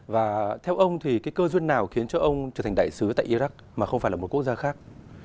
và theo ông thì cái cơ duyên nào khiến cho ông trở thành đại sứ tại iraq mà không phải là một quốc gia khác